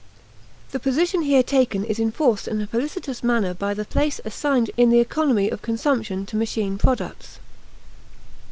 The position here taken is enforced in a felicitous manner by the place assigned in the economy of consumption to machine products.